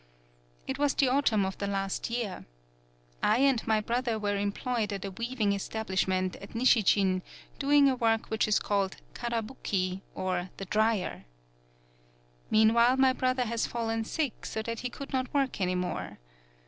"It was the autumn of the last year. I and my brother were employed at a weaving establishment at Nishijin do ing a work which is called Karabuki, or the dryer. Meanwhile my brother has fallen sick so that he could not work any more.